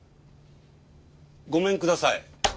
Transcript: ごめんください。